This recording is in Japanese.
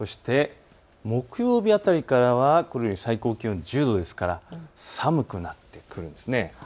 木曜日辺りからは最高気温１０度ですから寒くなってくるんです。